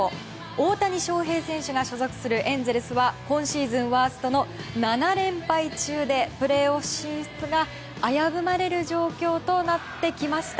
大谷翔平選手が所属するエンゼルスは今シーズンワーストの７連敗中でプレーオフ進出が危ぶまれる状況となってきました。